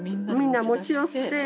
みんな持ち寄って。